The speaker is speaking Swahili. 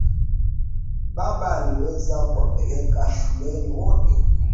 Baba aliweza kuwapeleka shuleni wote.